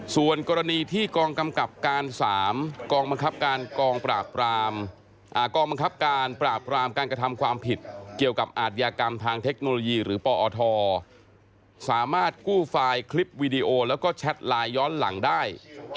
ส่วนกรณีที่กองกำกับการ๓กองบังคับการกองปราบรามกองบังคับการปราบรามการกระทำความผิดเกี่ยวกับอาทยากรรมทางเทคโนโลยีหรือปอทสามารถกู้ไฟล์คลิปวีดีโอแล้วก็แชทไลน์ย้อนหลังได้